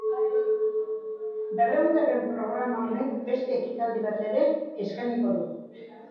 Berrehungarren programa honek beste ekitaldi bat ere eskainiko du.